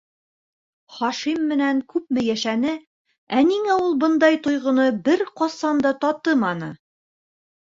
Хашим менән күпме йәшәне, ә ниңә ул бындай тойғоно бер ҡасан да татыманы?